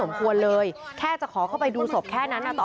มันโจ๊กทุกอย่างเว้า